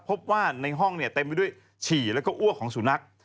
พบว่าในห้องเต็มด้วยฉี่และอ้วกของสูนัก